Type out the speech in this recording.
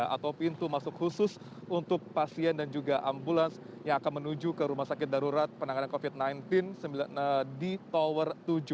atau pintu masuk khusus untuk pasien dan juga ambulans yang akan menuju ke rumah sakit darurat penanganan covid sembilan belas di tower tujuh